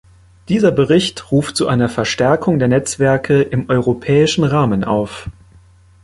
Dieser Bericht ruft zu einer Verstärkung der Netzwerke im europäischen Rahmen auf.